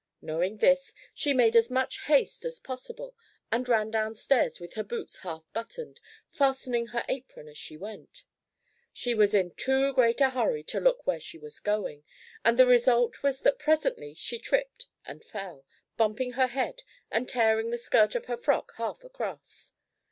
Knowing this, she made as much haste as possible, and ran downstairs with her boots half buttoned, fastening her apron as she went. She was in too great a hurry to look where she was going, and the result was that presently she tripped and fell, bumping her head and tearing the skirt of her frock half across.